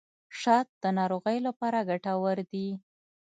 شات د ناروغیو لپاره ګټور دي.